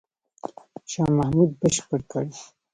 شاه محمود بشپړ کړ.